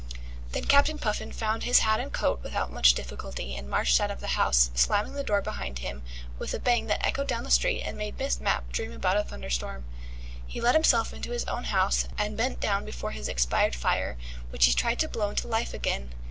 Then Captain Puffin found his hat and coat without much difficulty, and marched out of the house, slamming the door behind him with a bang that echoed down the street and made Miss Mapp dream about a thunderstorm. He let himself into his own house, and bent down before his expired fire, which he tried to blow into life again.